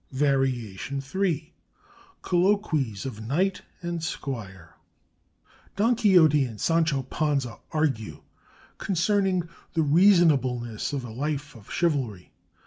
VARIATION III COLLOQUIES OF KNIGHT AND SQUIRE Don Quixote and Sancho Panzo argue concerning the reasonableness of a life of chivalry.